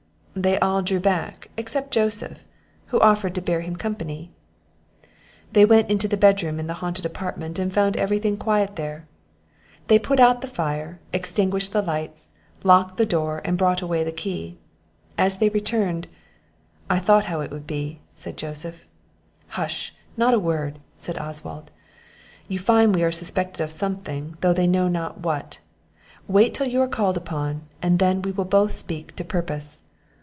They all drew back, except Joseph, who offered to bear him company. They went into the bedroom in the haunted apartment, and found every thing quiet there. They put out the fire, extinguished the lights, locked the door, and brought away the key. As they returned, "I thought how it would be," said Joseph. "Hush! not a word," said Oswald; "you find we are suspected of something, though they know not what. Wait till you are called upon, and then we will both speak to purpose."